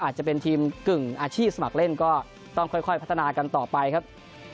อาจจะเป็นทีมกึ่งอาชีพสมัครเล่นก็ต้องค่อยพัฒนากันต่อไปครับ